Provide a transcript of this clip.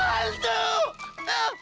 kembali ke orang kalian